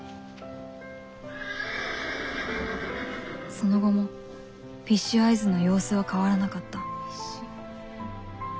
その後もフィッシュアイズの様子は変わらなかったフィッシュ。